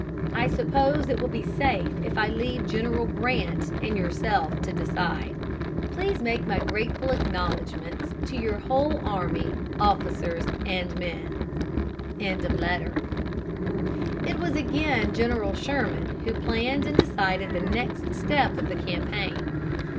I suppose it will be safe if I leave General Grant and yourself to decide. Please make my grateful acknowledgments to your whole army, officers and men." It was again General Sherman who planned and decided the next step of the campaign.